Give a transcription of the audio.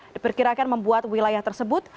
diperkirakan membuat wilayah tersebut